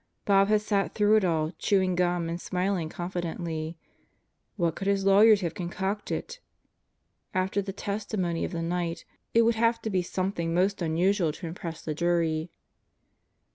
Bob had sat through it all, chewing gum and smiling confidently. What could his lawyers have concocted? After the testimony of the night it would have to be something most unusual to impress the jury.